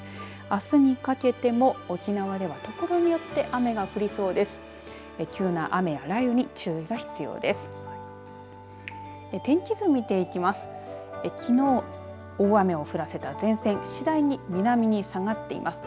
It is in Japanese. あすにかけても沖縄では所によって雨が降りそうです。